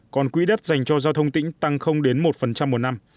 còn quỹ đất dành cho giao thông tĩnh tăng không đến một một năm